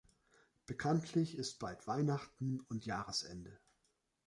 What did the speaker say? Bekanntlich ist bald Weihnachten und Jahresende.